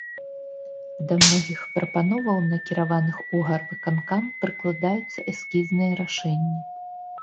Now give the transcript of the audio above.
Да многіх прапановаў, накіраваных у гарвыканкам, прыкладаюцца эскізныя рашэнні.